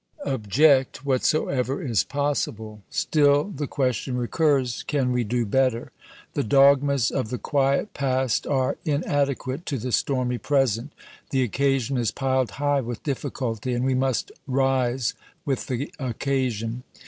Object whatsoever is possible, still the question recurs, " Can we do better ?" The dogmas of the quiet past are inadequate to the stormy present. The occasion is piled high with difiiculty, and we must rise with the occasion.